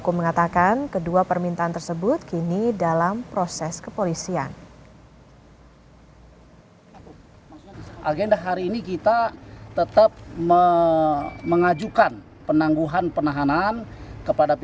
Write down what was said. kedatangan mereka dilakukan untuk mengajukan penangguhan penahanan pegi